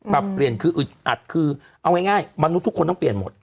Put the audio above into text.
ปรับเปลี่ยนคืออึดอัดคือเอาง่ายมนุษย์ทุกคนต้องเปลี่ยนหมด